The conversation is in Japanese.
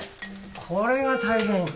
これが大変。